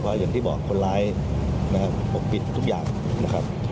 อย่างที่บอกคนร้ายนะครับปกปิดทุกอย่างนะครับ